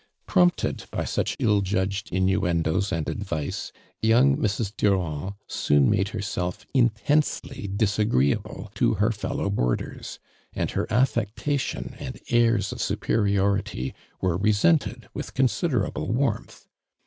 Prompted by such ill judged inuendoes and advice, young Mrs. Durand soon made herself intensely disagreeable to her fellow boarders; and her attectation and airs of su periority were resented with considerable warmth.